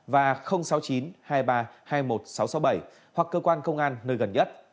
và sáu mươi chín hai nghìn ba trăm hai mươi một sáu trăm sáu mươi bảy hoặc cơ quan công an nơi gần nhất